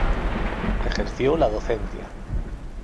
Ejerció la docencia.